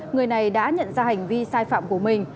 người này đã nhận ra hành vi sai phạm của mình